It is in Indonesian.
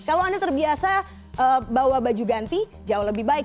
kalau anda terbiasa bawa baju ganti jauh lebih baik